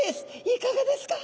いかがですか？